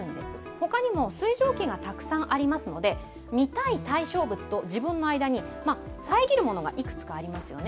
他にも水蒸気がたくさんありますので見たい対象物と自分の間に遮るものがいくつかありますよね。